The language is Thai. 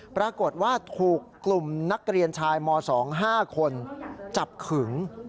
ปรากฏว่าถูกกลุ่มนักเรียนชายม๒๕คนจับขึง